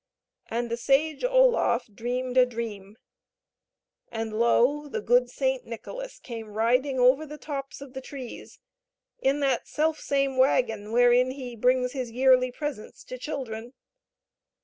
And the sage Oloffe dreamed a dream and, lo! the good St. Nicholas came riding over the tops of the trees, in that self same wagon wherein he brings his yearly presents to children.